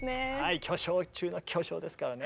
巨匠中の巨匠ですからね。